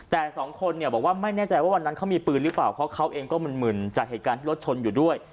แต่สองคนเนี่ยบอกว่าไม่แน่ใจว่าวันนั้นเขามีปืนหรือเปล่าเพราะเขาเองก็หมื่นจากเหตุการณ์ที่รถชนอยู่ด้วย